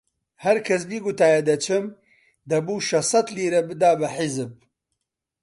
هەر کەس بیگوتایە دەچم، دەبوو شەشسەد لیرە بدا بە حیزب